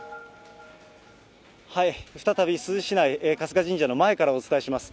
再び珠洲市内、春日神社の前からお伝えします。